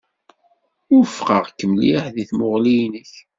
Wufqeɣ-k mliḥ deg tmuɣli-nnek.